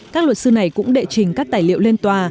các luật sư này cũng đệ trình các tài liệu lên tòa